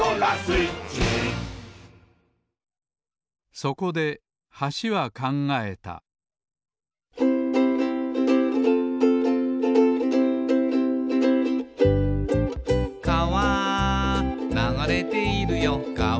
そこで橋は考えた「かわ流れているよかわ」